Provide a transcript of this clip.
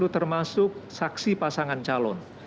termasuk saksi pasangan calon